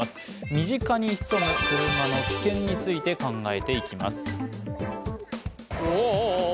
身近に潜む車の危険について考えていきます。